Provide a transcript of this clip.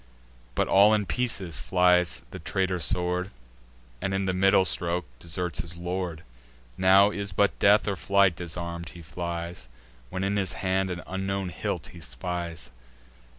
But all in pieces flies the traitor sword, And, in the middle stroke, deserts his lord. Now is but death, or flight; disarm'd he flies, When in his hand an unknown hilt he spies.